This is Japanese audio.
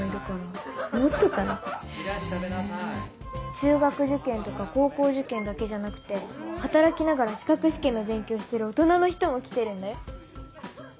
中学受験とか高校受験だけじゃなくて働きながら資格試験の勉強してる大人の人も来てるんだよ。